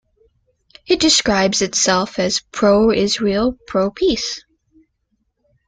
It describes itself as "pro-Israel, pro-peace".